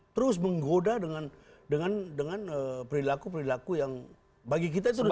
terus menggoda dengan perilaku perilaku yang bagi kita itu sudah